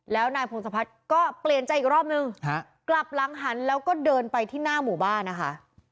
แล้วนายพงศพัฒน์ก็เปลี่ยนใจอีกรอบนึงกลับหลังหันแล้วก็เดินไปที่หน้าหมู่บ้านนะคะ